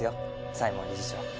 西門理事長